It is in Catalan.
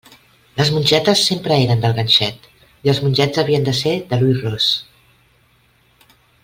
Les mongetes sempre eren del ganxet i els mongets havien de ser de l'ull ros.